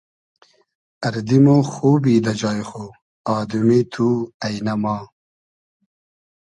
اردی مۉ خوبی دۂ جای خو آدئمی تو اݷنۂ ما